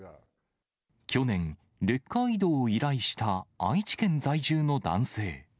去年、レッカー移動を依頼した愛知県在住の男性。